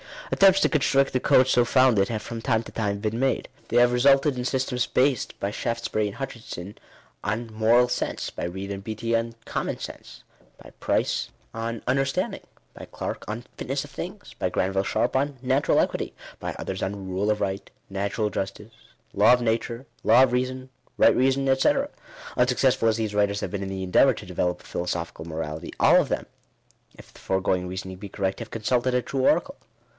Attempts to construct a code so founded have from time to time been made. They have resulted in systems based by Shaftesbury and Hutchinson on "Moral Sense," by Beid and Beattie on "Common Sense/' by Price on "Understanding," by Clarke on "Fitness of Things," by Granville Sharpe on " Natural Equity," by others on " Bule of Bight," " Natural Justice," " Law of Nature," "Law of Reason," "Bight Reason," &c. Unsuccessful as these writers have been in the endeavour to develope a philoso phical morality, all of them, if the foregoing reasoning be cor rect, have consulted a true oracle.